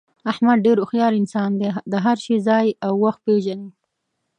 احمد ډېر هوښیار انسان دی، د هر شي ځای او وخت پېژني.